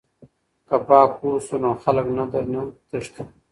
که پاک اوسو نو خلک نه درنه تښتي.